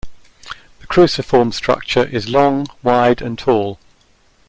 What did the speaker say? The cruciform structure is long, wide, and tall.